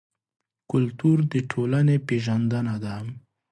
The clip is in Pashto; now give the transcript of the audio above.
کلتور د ټولنې پېژندنه ده.